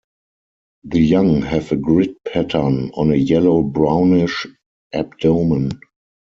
The young have a grid pattern on a yellow-brownish abdomen.